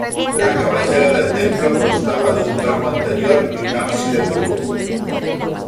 La cabecera del templo constaba de un tramo anterior y un ábside curvo.